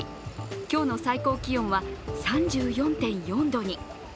今日の最高気温は３４．４度に。